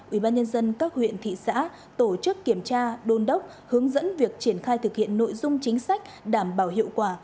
ubnd các huyện thị xã tổ chức kiểm tra đôn đốc hướng dẫn việc triển khai thực hiện nội dung chính sách đảm bảo hiệu quả